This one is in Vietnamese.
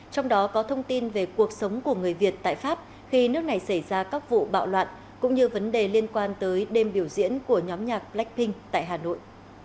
trong đó có thông tin về cuộc sống của người việt tại pháp khi nước này xảy ra các vụ bạo loạn cũng như vấn đề liên quan tới đêm biểu diễn của nhóm nhạc blackpink tại hà nội